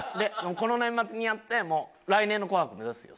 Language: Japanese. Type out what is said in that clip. この年末にやってもう来年の『紅白』目指すよ